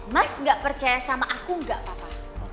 mas gak percaya sama aku gak apa apa